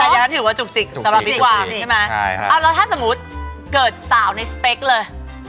อันนั้นถือว่าจุกจิกสำหรับบิ๊กวางใช่ไหมแล้วถ้าสมมุติเกิดสาวในสเปคเลย